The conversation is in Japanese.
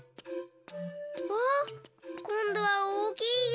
わっこんどはおおきいよ。